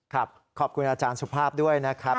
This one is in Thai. ครับขอบคุณอาจารย์สุภาพด้วยนะครับ